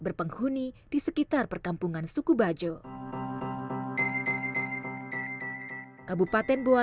mereka ikut melaut atau bagaimana